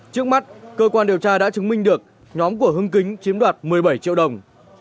trước mắt cơ quan điều tra đã chứng minh được nhóm của hưng kính chiếm đoạt một mươi bảy triệu đồng